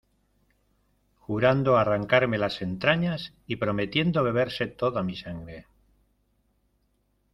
jurando arrancarme las entrañas y prometiendo beberse toda mi sangre.